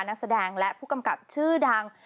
นักแสดงและผู้กำกับชื่อดัง